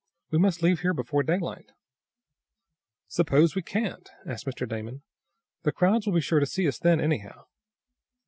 We must leave here before daylight." "Suppose we can't?" asked Mr. Damon. "The crowds will be sure to see us then, anyhow."